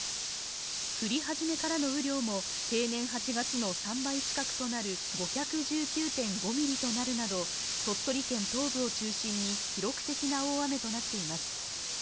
降り始めからの雨量も平年８月の３倍近くとなり５１９．５ミリとなるなど鳥取県東部を中心に記録的な大雨となっています。